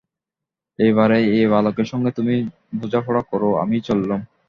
এবারে ঐ বালকের সঙ্গে তুমি বোঝা-পড়া করো, আমি চললুম।